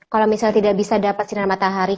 kalau misalnya tidak bisa dapat sinar matahari